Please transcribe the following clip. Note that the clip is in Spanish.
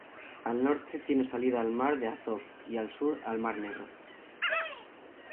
Al norte tiene salida al Mar de Azov y al sur al Mar Negro.